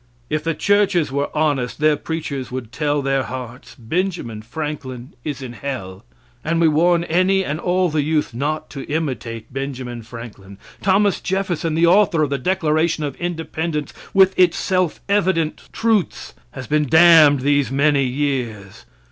If the churches were honest, their preachers would tell their hearts, "Benjamin Franklin is in hell, and we warn any and all the youth not to imitate Benjamin Franklin. Thomas Jefferson, the author of the Declaration of Independence, with its self evident truths, has been damned these many years."